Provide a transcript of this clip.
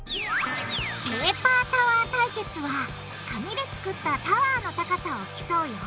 ペーパータワー対決は紙で作ったタワーの高さを競うよ